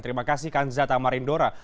terima kasih kan zatamarin dora